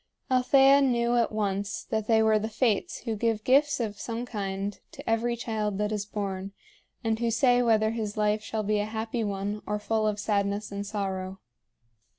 Althea knew at once that they were the Fates who give gifts of some kind to every child that is born, and who say whether his life shall be a happy one or full of sadness and sorrow.